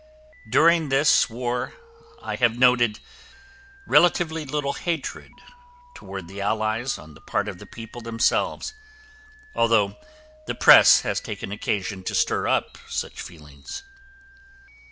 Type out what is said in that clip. During this, war, I have noted relatively little hatred toward the allies on the part of the people themselves, although the press has taken occasion to stir up such feelings.